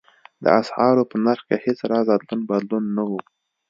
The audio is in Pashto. د اسعارو په نرخ کې هېڅ راز ادلون بدلون نه و.